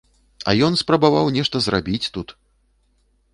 А ён спрабаваў нешта зрабіць тут!